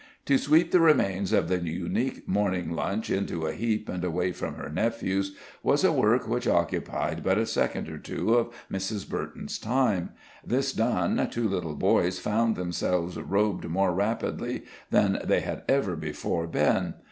To sweep the remains of the unique morning lunch into a heap and away from her nephews, was a work which occupied but a second or two of Mrs. Burton's time; this done, two little boys found themselves robed more rapidly than they had ever before been.